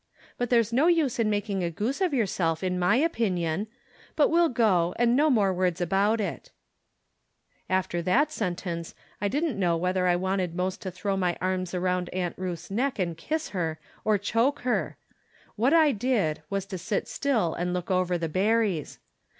But there's no use in making a goose of yourself, iii my opinion. But we'll go, and no more words about it !" After that sentence, I didn't know whether I wanted most to throw my arms around Aunt Ruth's neck and kiss her, or choke her. What I 60 From Different Standpoints. did, was to sit still and look over the berries.